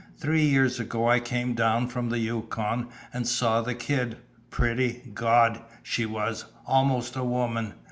Three years ago I come down from the Yukon, and saw the kid. Pretty? Gawd, she was! Almost a woman.